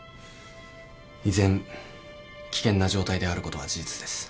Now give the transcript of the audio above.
依然危険な状態であることは事実です。